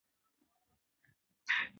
د نارنج ګل به پرننګرهار وي